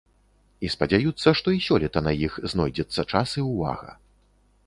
І спадзяюцца, што і сёлета на іх знойдзецца час і ўвага.